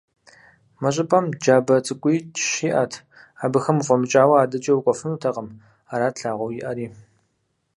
Мы щӀыпӀэм джабэ цӀыкӀуищ иӀэт, абыхэм уфӀэмыкӀауэ адэкӀэ укӀуэфынутэкъым, арат лъагъуэу иӀэри.